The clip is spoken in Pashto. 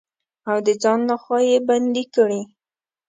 او د ځان لخوا يې بندې کړي.